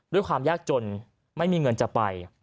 ด้วยความยากจนไม่มีเงินจะไป